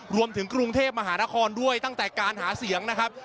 รวมถึงกรุงเทพมหานครด้วยตั้งแต่การหาเสียงนะครับ